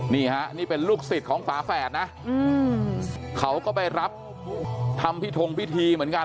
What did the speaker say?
นี่ฮะนี่เป็นลูกศิษย์ของฝาแฝดนะเขาก็ไปรับทำพิธงพิธีเหมือนกัน